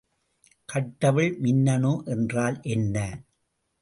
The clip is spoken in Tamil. கட்டவிழ் மின்னணு என்றால் என்ன?